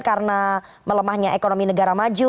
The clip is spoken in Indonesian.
karena melemahnya ekonomi negara maju